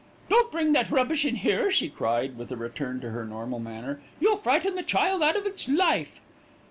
"Don't bring that rubbish in here," she cried with a return to her normal manner. "You'll frighten the child out of its life."